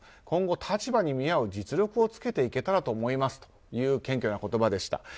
今後、立場に見合う実力をつけていけたらと思いますという謙虚な言葉でした。